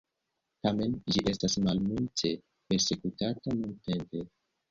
Tamen ĝi estas malmulte persekutata nuntempe.